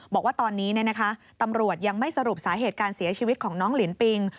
บอกว่าตอนนี้ตำรวจยังไม่สรุปสาเหตุการเสียชีวิตของน้องลินปิง